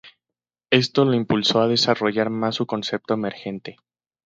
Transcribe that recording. Esto lo impulsó a desarrollar más su concepto emergente.